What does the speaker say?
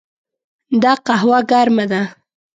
دا قهوه ګرمه ده.